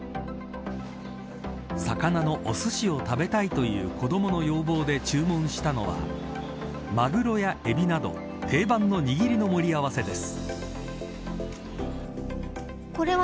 魚のおすしを食べたいという子どもの要望で注文したのはマグロやエビなど定番の握りの盛り合わせです。